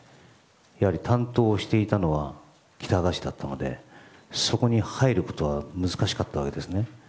やはり担当していたのは喜多川氏だったのでそこに入ることは難しかったわけですね。